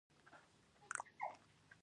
زه تل دؤعا کوم.